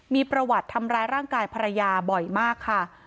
มีประวัติทำร้ายร่างกายภรรยาบ่อยมากค่ะ